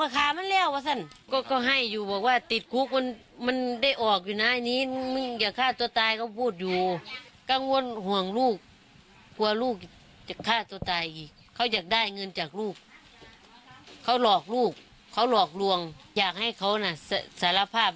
เค้าอยากได้เงินจากลูกเขาหลอกลูกเขาหลอกลวงอยากให้เค้าน่ะสารภาพ